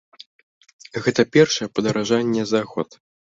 Гэта першае падаражэнне за год.